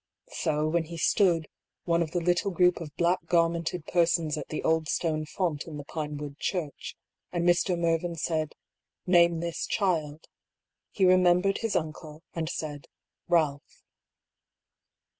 So when he stood, one of the little group of black garmented persons at the old stone font in the Pinewood church, and Mr. Mervyn said, " Name this child," he remembered his uncle and said " Ralph."